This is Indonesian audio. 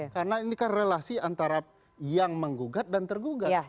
karena ini kan relasi antara yang menggugat dan tergugat